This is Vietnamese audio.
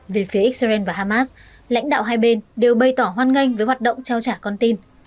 về phía israel và hamas lãnh đạo hai bên đều bày tỏ hoan nghênh với hoạt động trao trả con tin